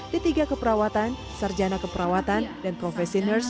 d tiga keperawatan sarjana keperawatan dan profesi nurse